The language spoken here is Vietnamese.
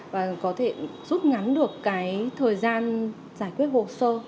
và có thể rút ngắn được cái thời gian giải quyết hồ sơ